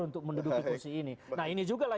untuk menduduki keusi ini nah ini juga lah